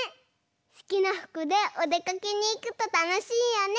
すきなふくでおでかけにいくとたのしいよね。